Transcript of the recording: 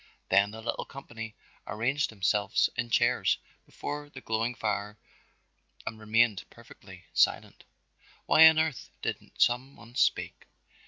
Then the little company arranged themselves in chairs before the glowing fire and remained perfectly silent. Why on earth didn't some one speak?